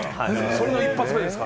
その一発目です。